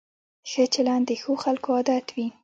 ښه چلند د ښو خلکو عادت وي.